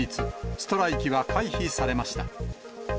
ストライキは回避されました。